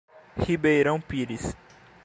Ribeirão Pires